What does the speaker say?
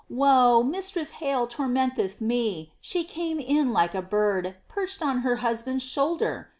"Woe! Mistress Hale tormenteth me! She came in like a bird, Perched on her husband's shoulder!"